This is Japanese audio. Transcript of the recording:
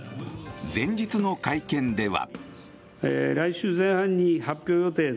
前日の会見では。